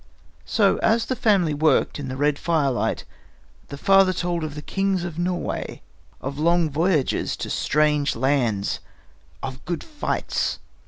So, as the family worked in the red fire light, the father told of the kings of Norway, of long voyages to strange lands, of good fights.